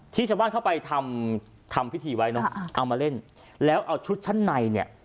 ชาวบ้านเข้าไปทำทำพิธีไว้เนอะเอามาเล่นแล้วเอาชุดชั้นในเนี่ย